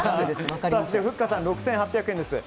ふっかさん、６８００円です。